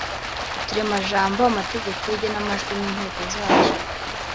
uturemajambo, amategeko y'igenamajwi n’inteko zayo.